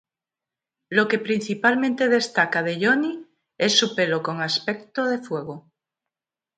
Lo que principalmente destaca de Johnny es su pelo con aspecto de fuego.